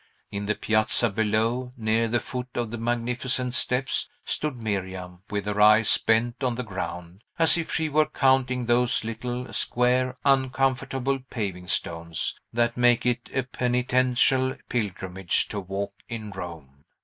In the piazza below, near the foot of the magnificent steps, stood Miriam, with her eyes bent on the ground, as if she were counting those little, square, uncomfortable paving stones, that make it a penitential pilgrimage to walk in Rome.